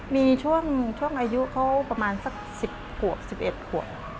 มีช่วงอายุเขาประมาณสัก๑๐ขวบ๑๑ขวบ